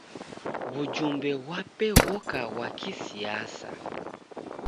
W'ujumbe ghwape ghoka ghwa kisiasa.